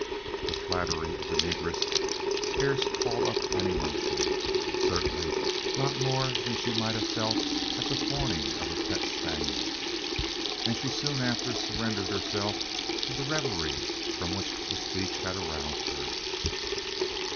The flattery of the negress scarce called up an emotion; certainly not more than she might have felt at the fawning of a pet spaniel; and she soon after surrendered herself to the reverie from which the speech had aroused her.